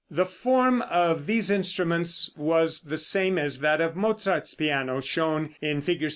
The form of these instruments was the same as that of Mozart's piano, shown in Fig.